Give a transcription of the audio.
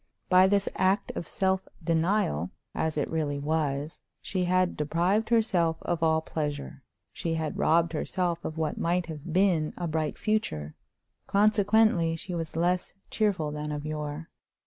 By this act of self denial, as it really was, she had deprived herself of all pleasure; she had robbed herself of what might have been a bright future; consequently she was less cheerful than of yore.